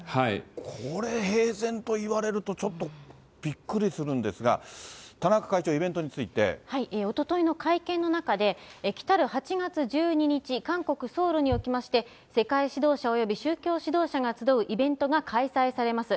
これ平然と言われると、ちょっとびっくりするんですが、田中会長、おとといの会見の中で、来る８月１２日、韓国・ソウルにおきまして、世界指導者および宗教指導者が集うイベントが開催されます。